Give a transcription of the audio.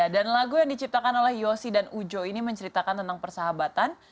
dan lagu yang diciptakan oleh yosi dan ujo ini menceritakan tentang persahabatan